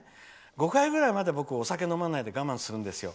５回ぐらいまで、僕はお酒飲まないで我慢するんですよ